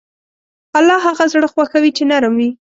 الله هغه زړه خوښوي چې نرم وي.